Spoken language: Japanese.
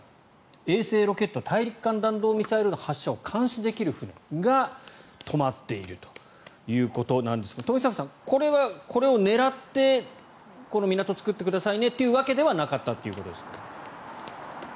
衛星、ロケット大陸間弾道ミサイルの発射を監視できる船が止まっているということなんですが冨坂さん、これはこれを狙ってこの港を作ってくださいねということではなかったと。